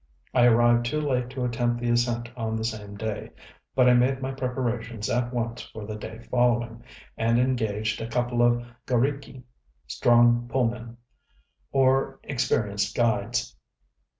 I arrived too late to attempt the ascent on the same day; but I made my preparations at once for the day following, and engaged a couple of g┼Źriki (ŌĆ£strong pull menŌĆØ), or experienced guides.